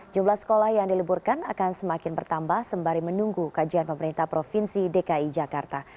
jumlah sekolah yang diliburkan akan semakin bertambah sembari menunggu kajian pemerintah provinsi dki jakarta